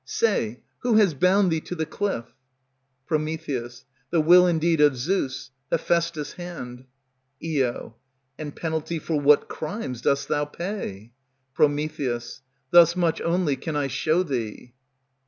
_ Say who has bound thee to the cliff. Pr. The will, indeed, of Zeus, Hephaistus' hand. Io. And penalty for what crimes dost thou pay? Pr. Thus much only can I show thee.